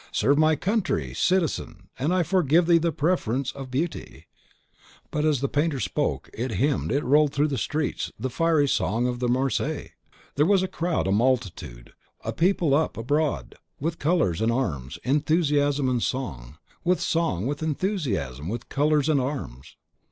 Serve my country, citizen; and I forgive thee the preference of beauty. Ca ira! ca ira!" But as the painter spoke, it hymned, it rolled through the streets, the fiery song of the Marseillaise! There was a crowd, a multitude, a people up, abroad, with colours and arms, enthusiasm and song, with song, with enthusiasm, with colours and arms!